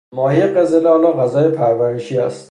ماهی قزل آلا غذای پرورشی است.